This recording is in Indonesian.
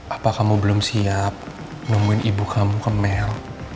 apa kamu belum siap nemuin ibu kamu ke mel